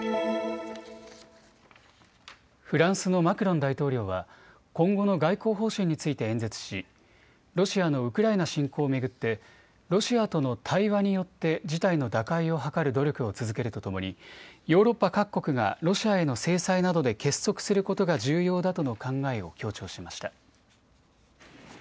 フランスのマクロン大統領は今後の外交方針について演説しロシアのウクライナ侵攻を巡ってロシアとの対話によって事態の打開を図る努力を続けるとともにヨーロッパ各国がロシアへの制裁などで結束することが重要だとの考えを強調しました。